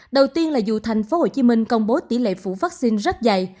đầu tiên là dù thành phố hồ chí minh công bố tỉ lệ phủ vaccine rất dày